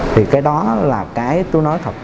thì cái đó là cái tôi nói thật